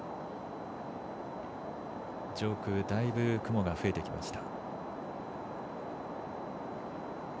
上空、だいぶ雲が増えてきました。